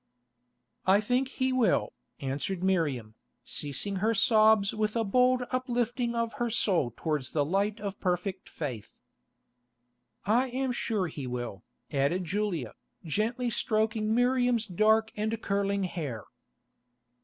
"I think He will," answered Miriam, ceasing her sobs with a bold up lifting of her soul towards the light of perfect faith. "I am sure He will," added Julia, gently stroking Miriam's dark and curling hair.